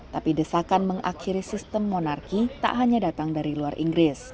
tapi desakan mengakhiri sistem monarki tak hanya datang dari luar inggris